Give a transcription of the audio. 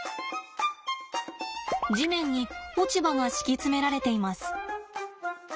地面に落ち葉が敷き詰められています。